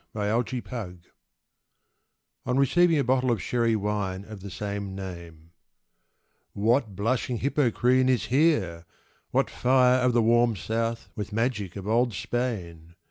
DON QUIXOTE On receiving a bottle of Sherry Wine of the same name What "blushing Hippocrene" is here! what fire Of the "warm South" with magic of old Spain!